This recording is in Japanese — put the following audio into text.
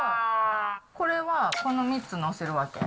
これは、この３つ載せるわけ？